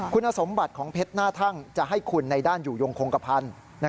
คุณสมบัติของเพชรหน้าทั่งจะให้คุณในด้านอยู่ยงคงกระพันธ์